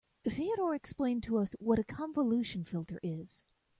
Theodore explained to us what a convolution filter is.